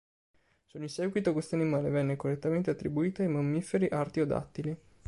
Solo in seguito questo animale venne correttamente attribuito ai mammiferi artiodattili.